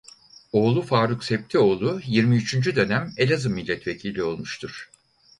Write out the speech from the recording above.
Oğlu Faruk Septioğlu yirmi üçüncü Dönem Elazığ milletvekili olmuştur.